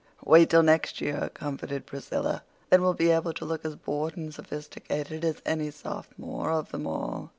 "Wait till next year," comforted Priscilla. "Then we'll be able to look as bored and sophisticated as any Sophomore of them all.